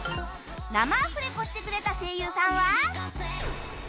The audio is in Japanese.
生アフレコしてくれた声優さんは